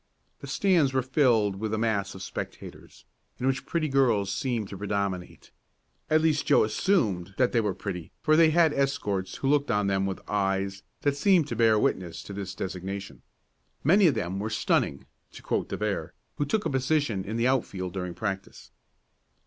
The stands were filled with a mass of spectators, in which pretty girls seemed to predominate. At least Joe assumed that they were pretty for they had escorts who looked on them with eyes that seemed to bear witness to this designation. Many of them were "stunning," to quote De Vere, who took a position in the outfield during practice.